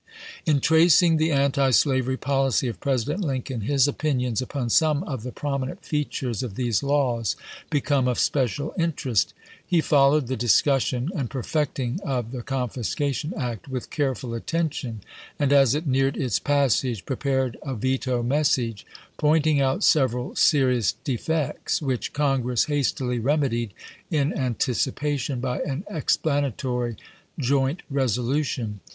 In tracing the antislavery policy of President Lincoln, his opinions upon some of the prominent features of these laws become of special interest. He followed the discussion and perfecting of the Confiscation Act with careful attention, and as it neared its passage prepared a veto message, point ing out several serious defects, which Congress hastily remedied in anticipation by an explana tory joint resolution.